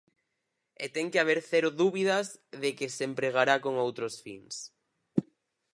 E ten que haber cero dúbidas de que se empregará con outros fins.